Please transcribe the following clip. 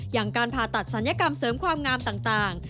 อย่างการผ่าตัดศัลยกรรมเสริมความงามต่าง